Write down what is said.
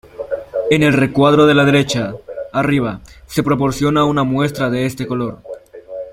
En el recuadro de la derecha, arriba, se proporciona una muestra de este color.